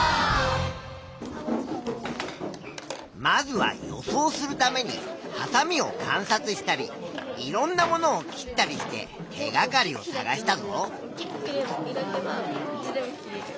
まずは予想するためにはさみを観察したりいろんなものを切ったりして手がかりを探したぞ。